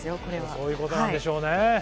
そういうことなんでしょうね。